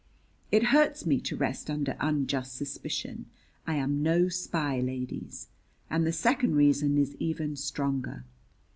It hurts me to rest under unjust suspicion. I am no spy, ladies. And the second reason is even stronger.